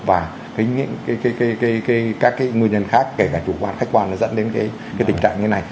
và các cái nguyên nhân khác kể cả chủ quan khách quan nó dẫn đến cái tình trạng như này